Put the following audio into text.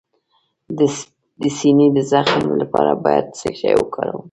د سینې د زخم لپاره باید څه شی وکاروم؟